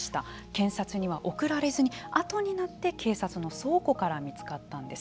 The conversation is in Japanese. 検察には送られずに後になって警察の倉庫から見つかったんです。